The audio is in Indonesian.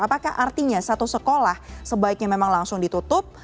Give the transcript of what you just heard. apakah artinya satu sekolah sebaiknya memang langsung ditutup